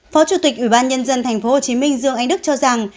phó chủ tịch ủy ban nhân dân tp hcm dương anh đức cho rằng